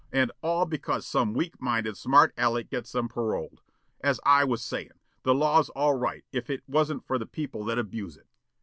And all because some weak minded smart aleck gets them paroled. As I was sayin', the law's all right if it wasn't for the people that abuse it."